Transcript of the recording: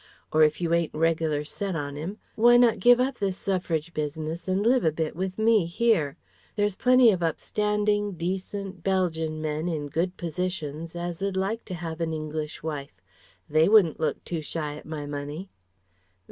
Or if you ain't reg'lar set on 'im, why not giv' up this suffrage business and live a bit with me here? There's plenty of upstanding, decent, Belgian men in good positions as'd like to have an English wife. They wouldn't look too shy at my money..."